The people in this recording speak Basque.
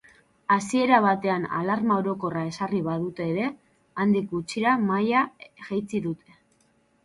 Hasiera batean alarma orokorra ezarri badute ere, handik gutxira maila jaitsi dute.